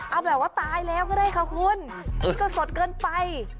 เอาแบบว่าตายแล้วก็ได้คะคุณโทษนึกออกเกินไป